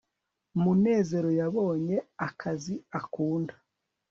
munezero yabonye akazi akunda